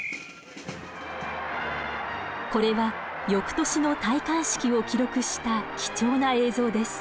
これは翌年の戴冠式を記録した貴重な映像です。